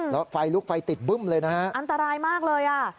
ทางแก๊สเขาบอกว่า